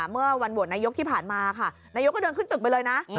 เมื่อวันโหวตนายกที่ผ่านมาค่ะนายกก็เดินขึ้นตึกไปเลยนะ